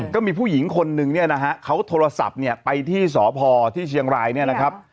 ก็มีผู้หญิงคนนึงเขาโทรศัพท์ไปที่สภที่เชียงรายนะคะ